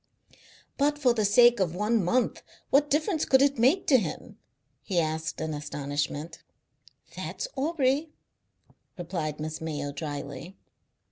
"But for the sake of one month! What difference could it make to him?" he asked in astonishment. "That's Aubrey," replied Miss Mayo drily.